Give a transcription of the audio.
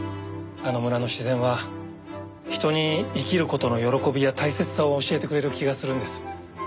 あの村の自然は人に生きる事の喜びや大切さを教えてくれる気がするんです。